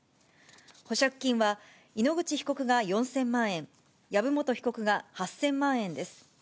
保釈金は井ノ口被告が４０００万円、籔本被告が８０００万円です。